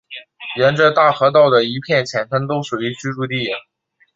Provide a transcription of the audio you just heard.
沿着大河道的一片浅滩都属于居住地。